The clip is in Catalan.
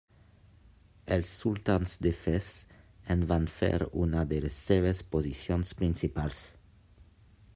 Els sultans de Fes en van fer una de les seves posicions principals.